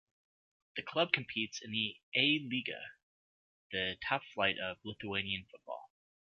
The club competes in the A lyga, the top flight of Lithuanian football.